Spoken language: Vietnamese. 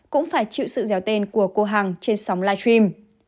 cũng phải chịu sự gio tên của cô hằng trên sóng live stream